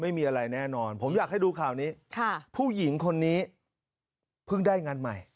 ไม่มีอะไรแน่นอนผมอยากให้ดูข่าวนี้ผู้หญิงคนนี้เพิ่งได้งานใหม่